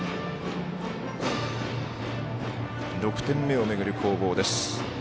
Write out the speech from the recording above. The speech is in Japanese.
６点目を巡る攻防です。